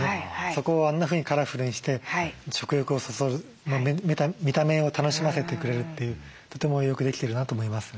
そこをあんなふうにカラフルにして食欲をそそる見た目を楽しませてくれるというとてもよくできてるなと思います。